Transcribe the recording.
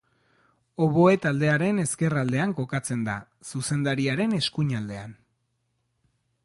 Oboe taldearen ezkerraldean kokatzen da, zuzendariaren eskuinaldean.